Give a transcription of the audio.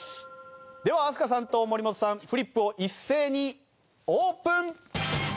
では飛鳥さんと森本さんフリップを一斉にオープン！